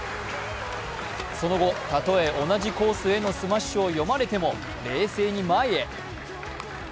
その後、たとえ同じコースへのスマッシュを読まれても冷静に前へ。